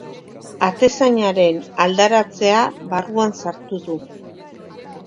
Atezainaren aldaratzea barruan sartu du.